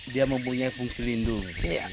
dia mempunyai fungsi lindung